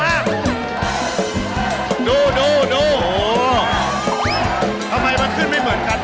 เฮ้ยเร็วมากเร็วมาก